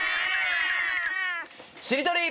しりとり。